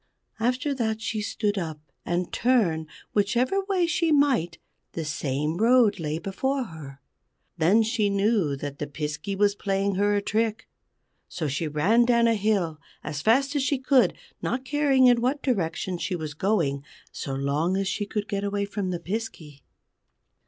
After that she stood up; and turn whichever way she might the same road lay before her. Then she knew that the Piskey was playing her a trick. So she ran down a hill as fast as she could, not caring in what direction she was going, so long as she could get away from the Piskey.